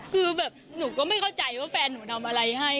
คือแบบหนูก็ไม่เข้าใจว่าแฟนหนูทำอะไรให้